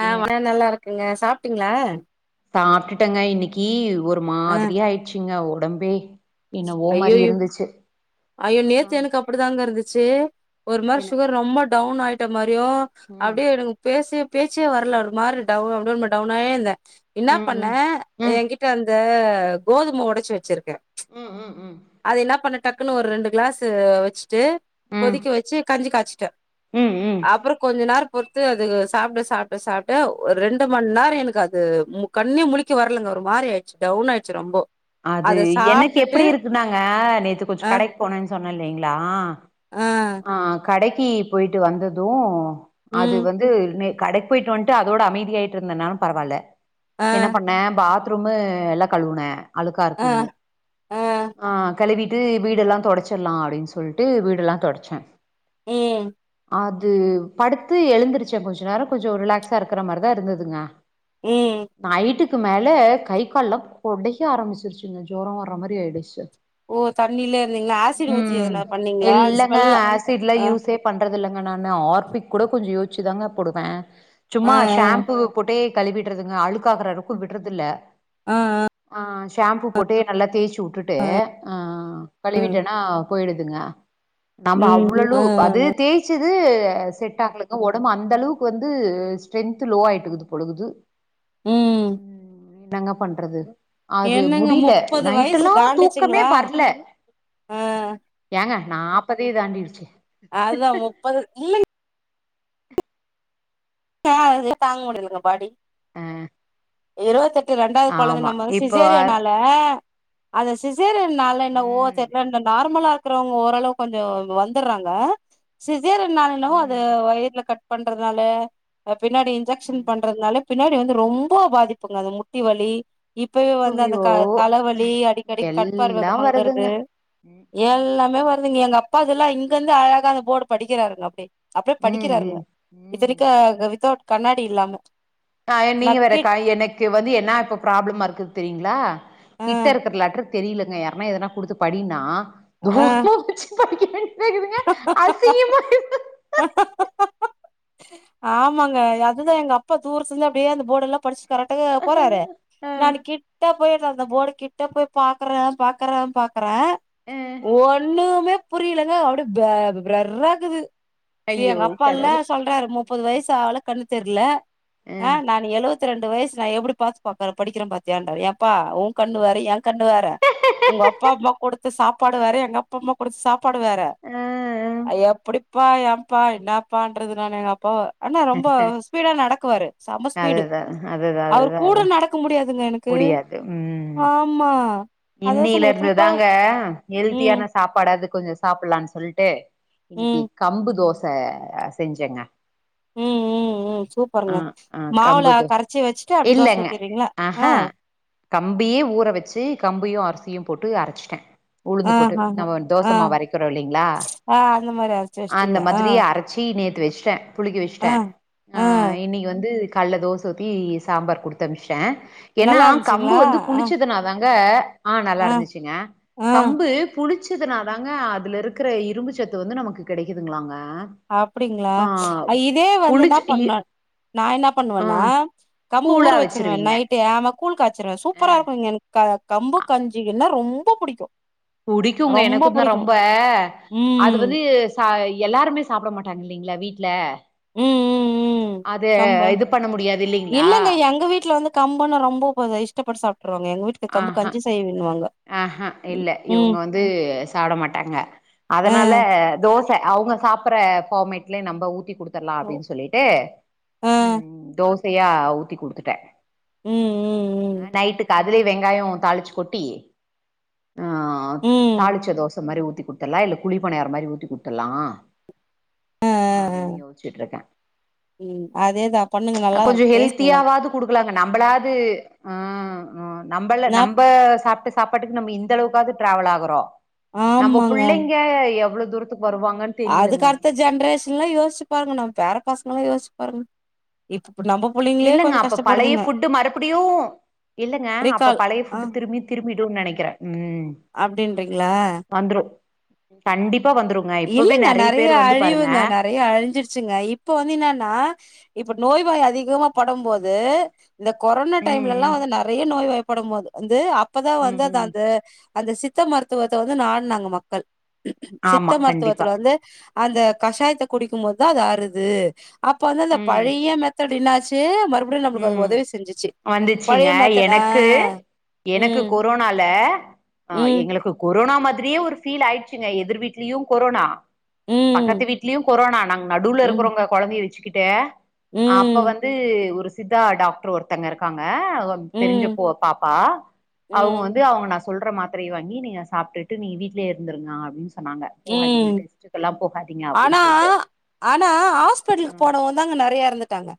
ஆ வளையல் நல்லா இருக்குங்க சாப்பிட்டீங்களா சாப்ட்டுட்டேங்க இன்னைக்கு ஒரு ஆ மாதிரியா ஆயிட்ச்சுங்க ஒடம்பே என்னவோ மாரி ஐயையோ இருந்துச்சு அய்யோ ஆ நேத்து எனக் அப் படிதாங்க இருந்துச்சு ஒரு மார் என்ன சுகர் ரொம்ப டவுன் ஆயிட்ட மாரியு ம் அப்டியே எனக்கு பேசிய பேச்சே வர்ல ஒரு மாறி டவுன் அப்ப டவுன் ஆய் அந்த இன்னா ம் ம் பண்ணே ம் எங்கிட்ட அந்த கோதும ஒடச்சு வச்சிருக்கே ம் ம் ம் அது என்ன பண்ண டக்குன்னு ஒரு ரெண்டு கிளாஸ்சு வச்சுட்டு ம் கொதிக்க வச்சு கஞ்சி காய்ச்சுட்டே ம் ம் அப்புறோ கொஞ்ச நேரோ பொறுத்து அது சாப்பட சாப்பட சாப்ட்டு ஒரு ரெண்டு மண் நேர எனக்கு அது முக் கண்ணே முலிக்க வர்லங்க ஒரு மாரி ஆயிச்சு டவுன் ஆயிச்சு ரொம்போ அது அத எனக்கு சாப்ட்டுட்டு எப்படி இருக்குன்னாங்க நேத்து கொஞ்ச ஆ கடைக் போனேன் சொன்னே இல்லலைங்களா ஆ ஆ கடைக்கு போயிட்டு வந்தது அது ம் வந்து மே கடைக் போயிட்டு வந்ட்டு அதோட அமைதியாயிட்டு இருந்தேனா பரவால்ல ஆ என்ன பண்ண பாத் ரூம்மு எல்லா கழுவுனே அழுக்கா ஆ இருக்குன்னு ஆ ஆ கழுவிட்டு வீடெல்லா தொடடச்சர்லா அப்படின் சொல்ட்டு வீடெல்லா தொடச்சே ம் அது படுத்து எழுந்துருச்சே கொஞ்ச நேரோ கொஞ்சம் ரிலாக்ஸா இருக்கிற மாரிதா இருந்துதுங்க ம் நெட்டுக்கு மேல கை கால்ல்லா கொடை க்க ஆரம்பிச்சிருச்சுங்க ஜொரோ வர்ற மாரி ஆயிடுச்சு ஓ தண்ணிலே இருந்தீங்களா ஆசிட் ஊத்தி ம் எதுனா பண்ணீங்களா அது இல்லங்க ஸ்மெல்ல ஆசிட்லா ஆ யூசே பண்றதில்லங்க நானு ஆர்பிக் கூட கொஞ்ச யோசுச்சிதாங்க போடுவே ஆ சும்மா ஷேம்பு போட்டே கழிவிட்றதுங்க அழுக்காக்றருக்கு விட்றதில்ல ஆ ஆ ஆ ஷேம்பூ போட்டு நல்லா தேய்ச்சி வுட்டுட்டு அ ஆ கழிவிட்டனா பொயிடுதுங்க நம்ம ம் அவ்ளலு ஆ அது ஆ தேய்ச்சது செட் ஆகலங்க ஒடம்பு அந்த அளவுக்கு வந்து ஸ்ட்ரென்த்து லோ ஆயிட்டுக்குது போல் இருக்குது ம் என்னாங்க பண் றது அது என்னங்க முடில முப்பது வயசு நைடெல்லா தூக்கமே தாண்டுச்சுங்களா வர்ல ஆ ஏங்க நாப்பதே தாண்டிடுச்சி அதா முப்பது மூனு [inaudible] தாங்க முடிலங்க பாடி ஆ இருவத்தெட்டு ரெண்டாது கொழந்த நம்ம இப்போ சிசேரியனால அத சிசேரியனாலன்னவோ ம் தெர்ல இந்த நார்மலா இருக்றவங்க ஓரளவு கொஞ்ச இங்க வந்தர்றாங்க சிசேரியன்னால என்னவோ அது ம் வயிருல கட் பண்றதுனால பின்னாடி இன்ஜெக்க்ஷன் ம் பண்றதுனால பின்னாடி வந்து ரொம்ப பாதிப்புங்க அது முட்டி வலி இப்பவே வந்து அந்த ஐயோ க தலவலி அடிக்கடி கண் பார்வ எல்லா மங்கறது வருதுங்க ம் ம் எல்லாமே வருதுங்க எங்க அப்பா அதெல்லா இங்க இருந்து அழகா அந்த போர்டு படிக்கிறாருங்க அப்டி அப்டியே ம் படிக்கிறாருங்க ம் ம் இத்தனைக்கு வித்தவுட் கண்ணாடி இல்லாம ஆ நீங்க வேற நக்கி காய் எனக்கு வந்து என்னா இப்ப ப்ராப்ளமா இருக்குது தெரியுங்ளா ஆ கிட்ட இருக்கிற லெட்ரு தெரிலங்க யார்னா எதனா குடுத்து படின்னா ஆ தூரமா வச்சி படிக்க வேண்டியதா இருக்குதுங்க அசிங்கமா ஆமாங்க அதுதா எங்க அப்பா தூரத்துல இருந்து அப்டியே அந்த போர்டெல்லா படிச்சி கரெக்டார போறாரு ஆ நானு கிட்ட போய் அந்த போர்ட் கிட்ட போய் பாக்கற பாக்கற பாக்கற ஆ ஒண்ணுமே புரிலங்க அப்டியே ப பிளர்ரா இருக்குது சே ஐயோ எங்க அப்பா இல்ல கடவுளே சொல் றாரு முப்பது வயசு ஆவுல கண்ணு தெர்ல ஆ நானு எழுவத் ரெண்டு வயசு நா எப்டி பாத்து இப்ப ப படிக்கிற பாத்தியான்றாரு ஏப்பா ஓ கண்ணு வேற ஏ கண்டுவார ஒங்க அப்பா அம்மா கொடுத்து சாப்பாடுவேற எங்கப் பா அம்மா குடுத்த சாப்பாடு வேற ஆ ஆ அது எப்டிப்பா ஏப்பா என்னாப்பான்றது நானு எங் பா ஆனா ரொம்ப ஸ்பீடா நடக்குவாரு செம்ம ஸ்பீடு அதுதா அதுதா அவுர் அதுதா கூட அதா நடக் இருக்க முடியாதுங்க எனக்கு முடியாது ம் ஆமா அதா சொன்னே இன்னில எப்டிப்பா இருந்துதாங்க ம் ஹெல்த்தியான சாப்பாடாது கொஞ்ச சாப்லான் சொல்ட்டு ம் இன்னிக்கு கம்பு தோச செஞ்சேங்க ம் ம் ம் ம் ஆ சூப்பருங்க ஆ மாவுள கம்பு தோ கரச்சி வச்சிட்டு அப்டி தோச ஊத்திர்வீங்ளா ஆ கம்பயே ஊற வச்சி கம்பயு அரிசியு போட்டு அரச்சிட்டே உளுந்து ஆ போட்டு ஹ ஹ நம்ம ஆ தோசமாவு அரக்கிறோ இல்லைங்களா ஆ அந்த மாரி அரச்சு அந்த வச்சுட்டீங்க ஆ மாதிரி அரச்சி நேத் து வெச்ட்டே புளிக்க ஆ வெச்ட்டே ஆ இன்னிக்கு வந்து கால்ல தோச ஊத்தி சாம்பார் குடுத்தனுப்ச்டே ஏனா நல்லா கம்பு இருந்துச்சுங்களா வந்து ஆ புளிச்சதுனா இந்த ஆ நல்லா இருந்துச்சுங்க ஆ கம்பு புளிச்சதுனாதாங்க அதுல இருக்கற இரும்பு சத்து வந்து நமக்கு கிடைக்குதுங்களாங்க அப்டிங்களா இதே வந்து என்ன புளிச்சு இ பண்ண நா என்ன ஆ பண்ணுவேன்னா கம்பு ஊர் கூழா வச்சிருவேன் வச்சிருவீங்க நைட்டு ஆமா கூல் காய்ச்சிருவேன் ஆ சூப்பரா இருக்கும் இங்க க கம்பு கஞ்சினா ரொம்ப புடிக்கும் புடிக்குங்க எனக்கு தா ரொம்ப அது ம் வந்து ஆ எல்லாருமே சாப்பிட மாட்டாங்க இல்லைங்களா வீட்ல ம் ம் ம் அது கம்ப இது பண்ண முடியாது இல்லைங்களா இல்லைங்க எங்க வீட்டுல வந்து கம்பன்ன ரொம்ப இஷ்டப்பட்டு சாப்பிட்டுருவாங்க எங்க வீட்டுக்கு கம்பு கஞ்சி செய்ய வின்வாங்க ஆ ஆ இல்ல இவங்க வந்து சாப்புட மாட்டாங்க ஆ அதனால தோ ச அவங்க சாப்பிடற ஃபார்மேட்லே நம்ம ஊத்தி கொடுத் துரலா ஓ. அப்டின்னு சொல்லிட்டு ஆ ம் ம் தோசையா ஊத்தி குடுத்துட்டேன் ம் ம் ஆ நைட்டுக்கு அதுலயே வெங்காயோ தாளிச்சு கொட்டி ஆ ம் ம் தாளிச்ச தோச மாதிரி ஊத்தி குத்துடலா இல்ல குழி பணையார மாதிரி ஊத்தி குத்துலா ஆ அப்டின்னு யோசிச்சுட்டு இருக்கேன் ம் அதேதா பண்ணுங்க ம்ச் நல்லா கொஞ்சோ இருக்கு டேஸ்ட் நல்லா ஹெல்த்தியாவது கொடுக்கலாங்க நம்மளாது ம் ம் நம்மள நா நம்ம சாப்பிட்ட சாப்பாட்டுக்கு நம்ம இந்த அளவுக்காவது டிராாவல் ஆகுறோம் நம்ம ஆமாங்க பிள்ளைங்க எவ்ளோ தூரத்துக்கு வருவாங்கன்னு அதுக்கு தெரியலங்க அடுத்த ஜென்ரேஷன் எல்லா யோசிச்சு பாருங்க நம்ம பேற பசங்க எல்லா யோசிச்சு பாருங்க இப்ப நம்ம இல்ங்க அப்ப பழைய ஃபுட்டு் மறுபடியு இல்லங்க அப்ப ரீகால் பழைய ஆ ஃபுட்டு் திரும்பி திரும்பிடும்ன்னு நினைக்கிறேன் ம் அப்டின்றிங்களா வந்துரும் கண்டிப்பா வந்துரும் இல்லங்க நெறையா அழிவுங்க நெறை யா அழிஞ்சிருச்சுங்க இப்ப வந்து என்னன்னா இப்ப நோய்வாய் அதிகமா படும்போது இந்த கொரோனா ம் டைம்ல எல்லா வந்து நெறையா நோய் வாய் படும் போது வந்து அப்பதான் ம் ம் வந்து அது ம் அந்த அந்த சித்த மருத்துவத்த வந்து நாடு நாங்க மக்கள் சித்த ஆமா கண்டிப்பா மருத்துவத்துல வந்து அந்த கஷாயத்தை குடிக்கும்பது தான் அறுது அப்ப வந்து அந்த ம் பழைய மெத்தட் என்னாச்சு மறு எப்டியு நம்மளுக்கு அது ம் உதவி செஞ்சுச்சு வந்துச்சுங்க பழைய மேத்தெடு ஆ எனக்கு எனக்கு ம் கொரோனால ஆ ம் எங்களுக்கு கொரோனா மாதிரியே ஒரு ஃபீல் ஆயிடுச்சுங்க எதிர் வீட்லயு கொரோனா பக்கத்து ம் வீட்லயு கொரோனா நாங்க நடுல ம் இருக்குறோங்க குழந்தைய வச்சுக்கிட்டு அப்ப ம் வந்து ஒரு சித்தா டாக்டர் ஒருத்தங்க இருக் காங்க ஒரு தெரிஞ்ச ம் பொ பாப்பா அவங்க ம் வந்து அவங்க நர்ஸ் சொல்ற மாத்திரை வாங்கி நீங்க சாப்பிட்டு நீங்க வீட்லயே இருந்திருங்க அப்டின்னு சொ சொன்னாங்க போகாதீங்க ம் டெஸ்ட்டுக்கெல்லா போகாதீங்க ஆனா அப்டின்னு சொல்லிட்டு ஆ ங்க நெறையா இரந்துட்டாங்க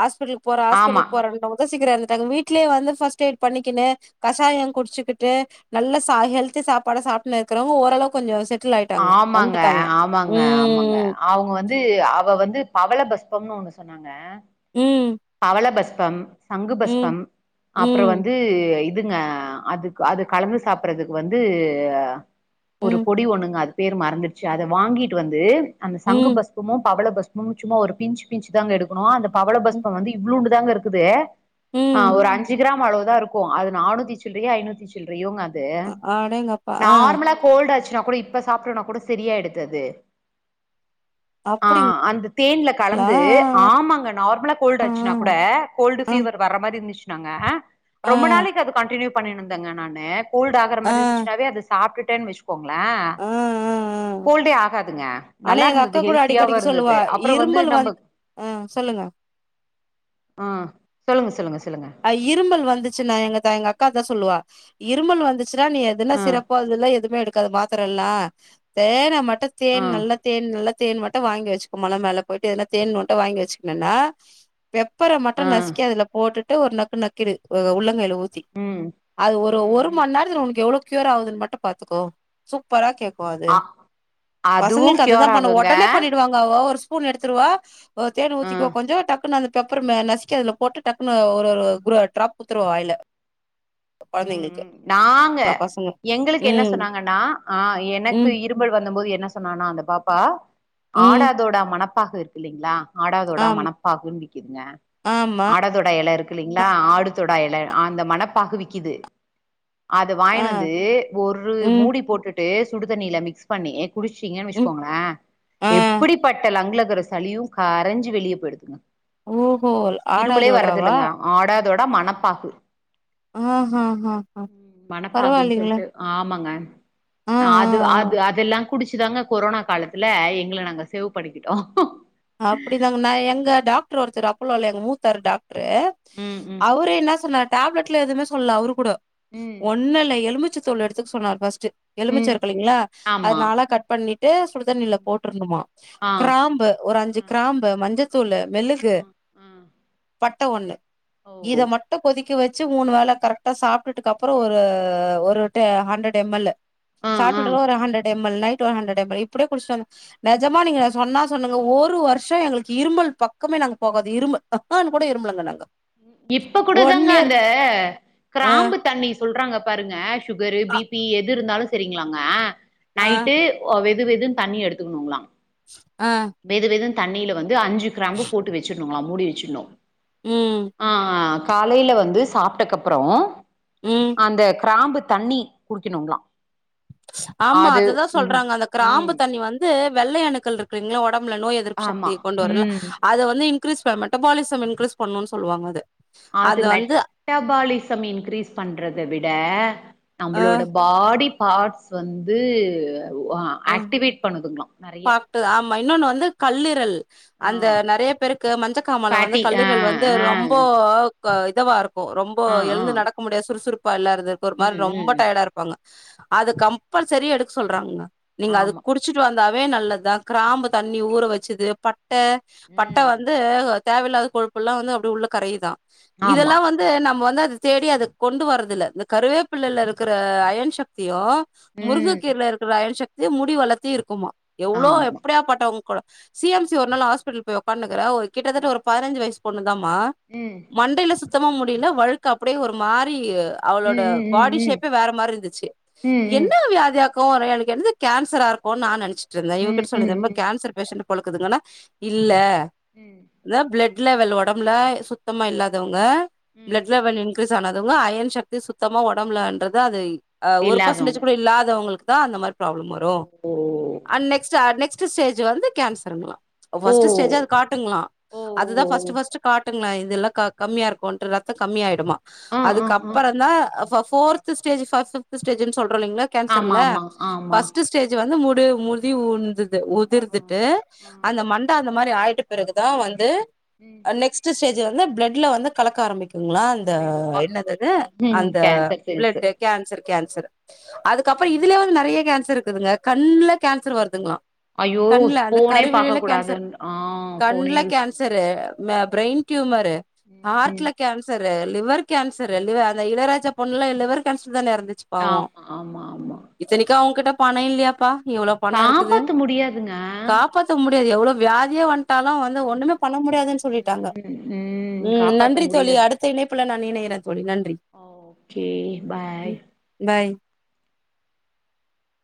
ஹா்பிட்டல்க்கு போற ஆமா ஹா்பிட்டல்க்கு போறண்டு யோசிக்குற அந்த டைம் வீட்டிலியே வந்து ஃபஸ்ட் எயிட் பண்ணிக்கின்னு கஷாயம் குடிச்சுக்கிட்டு நல்ல சா ஹெல்தி சாப்பாடு சாப்பி இருக்கிறவங்க ஓரளவு கொஞ்சோ செட்டில் ஆயி ஆமாங்க ஆமாங்க ஆமாங்க அவங்க வந்து வந்து அவ வந்து பவளபஷ்பம்னு ஒண்ணு சொன்னாங்க ம் பவளபஷ்பம் ம் சங்குபஷ்பம் அப்புறோ ம் வந்து இதுங்க அது அது கலந்து சாப்புறதுக்கு வந்து ஒரு ம் பொடி ஒண்ணுங்க அது பேரு மறந்துடுச்சு அத வாங்கிட்டு வந்து அந்த சங்கு ம் பஸ் சும்மும் பவள பஷ்பமும் சும்மா ஒரு பிஞ்சு பி்ஞ்சு தாங்க எடுக்கணு அந்த பவள ம் பஷ்பம் வந்து இவ்வுளுண்டு தாங்க இருக்குது ஆ ம் ஒரு அஞ்சு கிராம் அளவுதா இருக்கு அது நானூத்தி சில்லறையே ஐநூத்தி சில் சில்லரறையேங்க அது அடேங்கப்பா! ஆ நார்மலா கோல்டு் ஆச்சுன்னா கூட இப்ப சாப்பிடனா கூட சரியாயிடுது அது ஆ அப்டிங்களா? அந்த தேன்ல கலந்து ஆமாங்க நார்மலா கோல்டு் ஆ ஆச்சுன்னா கூட கோல்டு ஆ ஆ பபீவர் வர்ற மாதிரி இருந்துச்சுனாங்க ஆ ரொம்ப நாளைக்கு அது கண்டின்னுயு பண்ணிணு இருந்தேங்க நானு கோல்டு ஆகற ஆ மாறி ஆ இருச்சுனாவே அத சாப்பிட்டுட்டேன்னு வச்சுக்கோங்களே ஆ ஆ ஆ. கோல்டே ஆகாதுங்க ஆனா நல்லா எங்க இருந்தது அக்கா கூட அடிக் ஹெல்த்தியாவு அடிக்கு இருந்தது அப்புறோ இரும்பல் நம்ம வந்து ஆ சொல்லுங்க ஆ சொல்லுங்க சொல்லுங்க சொல்லுங்க இருமல் வந்துச்சுனா எங்க அக்கா எங்க அக்கா அத சொல்லுவா இருமல் வந்து ச்சுனா நீ எதுன்னா ஆ சிறப்போ அத எல்லா எதுவுமே எடுக்காத மாத்திர எல்லா தேனை மட்டு ஆ தேன் நல்ல தேன் நல்லா தேன் மட்டு வாங்கி வச்சுக்கு மலை மேல போயிட்டு ஏதுனா தேன் மட்டு வாங்கி வச்சுக்கணு ஏன்னா பெப்பரா மட்டு ஆ நசுக்கி அதுல போட்டுட்டு ஒரு நக்கு நக்கிடு உள்ளங் கையில ஊத்தி ம் அது ஒரு ம் ஒரு ம் மணி நேரத்துல உனக்கு எவ்வளோ க்யூர் ஆகுதுன்னு மட்டு பாத்துக்கோ சூப்பரா கேக்கு அது அ அதுவு பசங்களுக்கு அதுதா கியூர் பண்ணே ஆகுங்க உடனே பண்ணிடு வாங் கா ஒரு ஸ்பூன் எடுத்துட்டு வா ஆ தேன் ஊத்திகே கொஞ்சே டக்குன்னு அந்த பெப்பர்லா நசுக்கி போட்டு டக்கு னு ஒரு ஒரு குரே டாப் குடுத்துரவா வாயில ம் குழந்தைங்களுக் ம் நாங்க எங்களுக்கு என்ன ம் சொன்னாங்கன்னா ஆ எனக்கு ம் இருப் ம்பல் வந்த போது என்ன சொன்னனா அந்த பாப்பா ம் ஆடாதோட மனப்பாக இருக்கு இல்லலைங்களா ஆடாதோடா ஆம் மனப்பாகன்னு விக்குதுங்க ஆமா ஆடாதோடா இலை இருக் இல்லைங்குளா ஆடு தொடாயல அந்த மனப்பாகு விக்குது அதை ஆ வாங்கினு வந்து ஒரு ம் மூடி போட்டுட்டு சுடு தண்ணியில மிக்ஸ் பண்ணி குடிச்சீங்கன்னு ம் வச்சுக்கோங்களே ஆ எப்புடி பட்ட லங்கா கரஸ்சு சளியு கரைஞ்சு வெளிய போயிடுதுங்க ஓ ஹோ இருமலே வர்றது ஆடாதோடாவா இல்லங்க ஆடாதோட மனப்பாகு ம் ம் ம் ம் மனப்பாகுன்னு சொல்லிட்டு ஆமாங்க ஆ ஆ அது அது அத எல்லா குடிச்சுதாங்க கொரோனா காலத்துல எங்களை நாங்க சேவ் பண்ணிக்கிட்டோ அப்புடி தாங்க நா எங்க டாக்டர் ஒருத்தரு அப்போல்லோல எங்க மூத்தாரு டாக்டாரு ம் ம் அவரு என்ன சொன்னாரு டேப்லெட்ல எதுவுமே சொல்ல அவரு கூட ம் ஒண்ணு இல்ல எலுமிச்ச தூள் எடுத்துக்க சொன்னாரு ஃபர்ஸ்ட்டு எலுமிச்சா ம் இருக்குங்களா அது ஆமா நாலா கட் பண்ணி ட்டு சுடுதண்ணியில போட்டுருனுமா ஆ கிராம்பு ஒரு அஞ்சு ஆ கிராம்பு மஞ்சத்தூளு மிளகு ஆ ஆ பட்டா ஒன்னு ஓ இத மட் ட்டு கொதிக்க வச்சு மூணு வேலை கரெக்டா சாப்புட்டு டு அதுக்கு அப்புறே ஒரு ஒரு டே ஹண்ட்ரட் எம் எல்லு ஆ ஆ சாப்புட்டு டு ஒரு ஹண்ட்ரட் எம் எல் நைட்டு ஒரு ஹண்ட்ரட் எம் எல் இப்புடியே குடிச்சு வந்த நெஜமா நீங்க சொன்னா சொன்ன ஒரு வருஷ எங்களுக்கு இரும்பல் பக்கமே நாங்க போகாது இரும்பல் ஹாக்கான்னு கூட இரும்பலைங்க நாங்க இப்ப கூட ஒன் தாங்க இயர் அந்த ஆ கிராம்பு தண்ணி சொல்றாங்க பாருங்க சுகாரு பிபி எது இருந்தாலு சரிங்களாங்க ஆ நைட்டு ஓ வெது வெதுன்னு தண்ணி எடுத்துக்கணுங்ளா ஆ வெது வெதுன்னு தண்ணியில வந்து அஞ்சு கிராம்பு போட்டு வச்சிருனுங்களா மூடி வெச்சிடனு ம் ஆ காலைல வந்து சாப்ட்டக்கப்புறோ ம் அந்த கிராம்பு தண்ணி குடிக்கணுங்களா ஆமா அது அததா ம் சொல்றாங்க அந்த கிராம்பு ம் தண்ணி வந்து வெள்ளை அணுக்கள் இருக்குங்ல ஒடம்புல நோய் எதிர்ப் ஆமா எதிர்ப்புசக்தி கொண்டு வருல்ல ம் அத வந்து இன்கிரீஸ் மெட்பாலிசம் இன்கிஸ் பண்ணுனு சொல்லுவாங்க அத அது மெட்டபாலிசம் இன்கிரீஸ் பண்றத விட அ, நம்மளோட பாடி பார்ட்ஸ் வந்து அ. ஆக்டிவேட் பண்ணுதுங்களா நெறைய பாக்ட்டு ஆமா இன்னொன்னு வந்து கல்லீரல் ஆ அந்த நெறைய பேருக்கு மஞ்சக்காமால வந்து ஃபேட்டி ஆ கல்லீரல் வந்து ரொம்ப க இதவா இருக் க்கு ரொம்ப ஆ ஆ ஆ எழுந்து நடக்க முடியா சுறுசுறுப்பா இல்லாததுக்கு ஒரு ம் மாரி ரொம்ப ம் டயாடா இருப் பாங்க அத கம்பல்சரி எடுக்க சொல்றாங்க நீங்க அது ஆமா குடிச் குடிச்சிட்டு வந்தாவே நல்லதுதா கிராம்பு தண்ணி ஊற வெச்சது பட்ட பட்ட ம் வந்து தேவயில்லாத கொழுப்பு எல்லா வந்து அப்டியே உள்ள கரையுதா ஆமா இதெல்லா வந்து வந்து நம்ம வந்து அத தேடி அத கொண்டு வர்றது இல்ல இந்த கருவேப்பிள்ளையில இருக்ற அயன் சக்தியு ம் முருங்கக்கீரையில இருக்கிற அயன் சக்தி முடி வளர்த்தி இருக்குமா எவ்ளோ ஆமா எப்டியா பட்டவங்க சி எம் சி ஒரு நாள் ஹா்பிட்டல் போய் ஒட்காந்துனுகிறே ஒரு கிட்டத்தட்ட ஒரு பதினஞ்சி வயசு பொண்ணு தாம்மா ம் மண்டையில சுத்தமா முடியில்ல வழுக்க அப்டியே ஒரு மாரி ம் அவளோட பாடி ம் ஷேப்பே வேற மாரி இருந்துச்சி ம் ம் என்ன வியாதியாக்கு ஒரே எனக்கு என்னது கேன்சரா இருக்குனு நா நெனச்சிட்டு இருந்தே ம் இவர். ம் கிட்ட ம் சொல்லித ம் என்னமோ கேன்சர் பேஷண்டா போலக்கீதுங்கன்னா இல்ல ம் ப்ளட் லெவல் ஒடம்புல சுத்தமா இல்லாதவங்க ம் ப்ளட் லெவல் இன் இன்கிரிஸ் ஆனாதவங்க அயன் சக்தி சுத்தமா ஒடம்புல இன்றது அது ஒரு இல்லாதவங்க பர்சன்டேஜ் கூட இல்லாதவங்களுக்கு தா அந்த மாரி ப்ராப்ளம் வரு ஓ அண் நெக்ஸ்ட் நெஸ்ட் ஸ்டேஜ் வந்து கேன்சர்ங்களா ஓ ஃபர்ஸ்ட் ஸ்டேஜ் அது காட்டுங்ளா ஓ அது தா ஃபர்ஸ்ட் ஓ ஃபர்ஸ்ட் காட் காட்டுங்ளா இதெல்லா க கம்மியா இருகோன்று ரத்தோ கம்மியாடுமா ஆ ஆ ஆ அதுக்கப்பறௌ தா fourth first stage four fifth ஸ்டேஜின்னு சொல்றோ இல்லைங்லா ஆமா கேன்சர்ல ஆமா ஆமா ஃபர்ஸ்ட் ஸ்டேஜ் வந்து முடி முடி உந்துது ஆ உதிர்ந்துட்டு ஆ அந்த மண்ட இந்த மாரி ஆயிட்ட பிறகு தா வந்து ம் நெக்ஸ்ட் ஸ்டேஜ் வந்து பிளட்ல வந்து கலக்க ஆரம்பிக்குங்களா இந்த அ ஐயோப்பா என்னது அது ம் அந்த cancer cells blood cancer cancer அதுக்கப்றோ ம் இதுலயு வந்து நெறைய கேன்சர் சர் இருக்குதுங்க கண்ணுல கேன்சர் வருதுங்ளா ஐயோ கண்ல அந்த ஃபோனே கருவிழில பாக்க கேன்சர் கூடாதுன் ஆ ஃபோனே கண்ல யூஸ் கேன் பண் ன்சரு பிரெயின் டயூமரு ம் ஹார்ட்ல கேன்சர் லிவர் கேன்சர் அந்த இளையராஜா பொண்ணுல்லா லிவர் கேன்சர்ல தானே எறந்துச்சி ஆமா ஆமா ஆமா இத்தனைக்கு அவுங்ககிட்ட பணோ இல்லயாப்பா இவ்ளோ காப்பாத்த முடியாதுங்க காப்பாத்த முடியாது எவ்ளோ வியாதியோ வந் ட்டாலு வந்து ஒன்னுமே ஆஹா. பண்ண முடியாதுன்னு சொல்லிட்டாங்க ம் ம் காப்பாத்த நன்றி தோழி அடுத் அடுத்த இணைப்புல நா இணைகிறே தோழி நன்றி ஒகே பாய் ம் பாய்